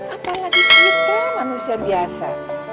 apalagi kita manusia biasa